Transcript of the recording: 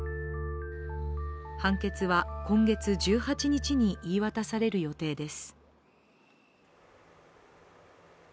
判決は今月１８日に言い渡される予定です。